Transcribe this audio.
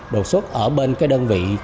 đột xuất ở bên cái đơn vị